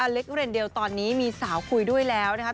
เล็กเรนเดลตอนนี้มีสาวคุยด้วยแล้วนะครับ